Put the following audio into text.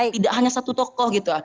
tidak hanya satu tokoh gitu